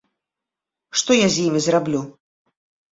Што я з імі зраблю?